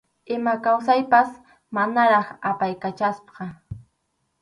Ima kawsaypas manaraq apaykachasqa.